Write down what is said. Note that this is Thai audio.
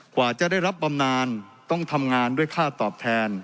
กว่าจะได้รับบำนานต้องทำงานด้วยค่าตอบแทน